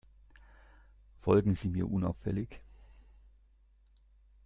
Folgen Sie mir unauffällig.